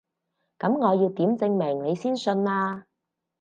噉我要點證明你先信啊？